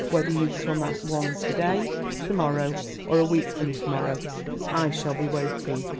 Whether you come at one to day, to morrow, or a week from to morrow, I shall be waiting....